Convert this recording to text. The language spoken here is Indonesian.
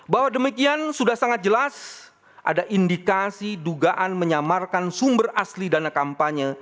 bahwa demikian sudah sangat jelas ada indikasi dugaan menyamarkan sumber asli dana kampanye